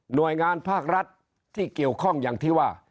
โดยงานภาครัฐที่เกี่ยวข้องอย่างที่ว่า